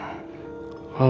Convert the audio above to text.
nanti aku akan mencari kamu